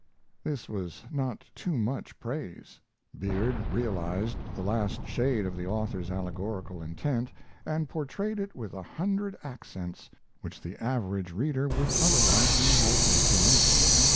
This was not too much praise. Beard realized the last shade of the author's allegorical intent and portrayed it with a hundred accents which the average reader would otherwise be likely to miss.